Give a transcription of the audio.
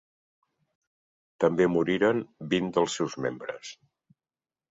També moriren vint dels seus membres.